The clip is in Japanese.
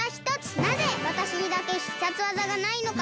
なぜわたしにだけ必殺技がないのか！